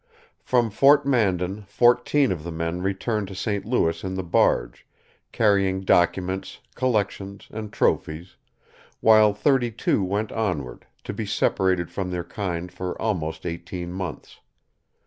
From Fort Mandan fourteen of the men returned to St. Louis in the barge, carrying documents, collections, and trophies, while thirty two went onward, to be separated from their kind for almost eighteen months.